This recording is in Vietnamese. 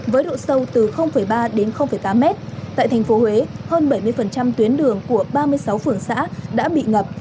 với độ sâu từ ba đến tám mét tại thành phố huế hơn bảy mươi tuyến đường của ba mươi sáu phường xã đã bị ngập